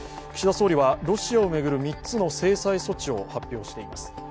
岸田総理はロシアを巡る３つの制裁措置を発表しています。